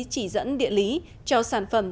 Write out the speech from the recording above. chỉ dẫn địa lý cho sản phẩm